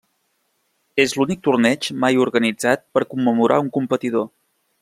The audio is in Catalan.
És l'únic torneig mai organitzat per commemorar un competidor.